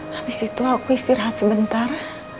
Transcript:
habis itu aku istirahat sebentar